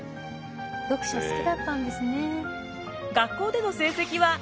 読書好きだったんですね。